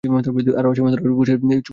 আরে আসামী ধরার পোস্টারে, পুলিশের ছবি?